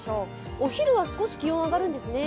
お昼は少し気温が上がるんですね？